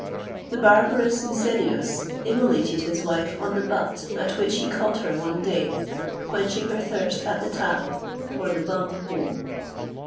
The barbarous Micennius immolated his wife on the butt, at which he caught her one day, quenching her thirst at the tap or the bunghole.